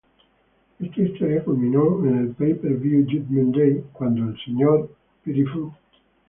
Esta historia culminó en el pay-per-view Judgement Day, cuando Mr.